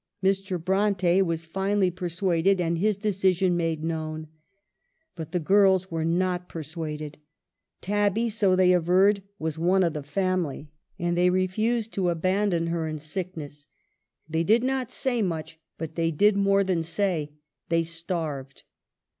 Mr. Bronte was finally per suaded, and his decision made known. But the girls were not persuaded. Tabby, so they averred, was one of the family, and they refused to aban don her in sickness. They did not say much, but they did more than say — they starved.